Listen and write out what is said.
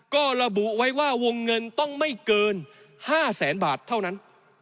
ก็ระบุไว้ว่าวงเงินต้องไม่เกิน๕แสนบาทเท่านั้น